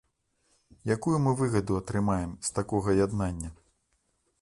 Якую мы выгаду атрымаем з такога яднання?